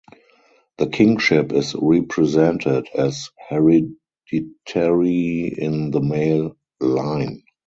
The kingship is represented as hereditary in the male line.